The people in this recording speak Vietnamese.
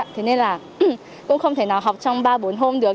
thế nên là cũng không thể nào học trong ba bốn hôm được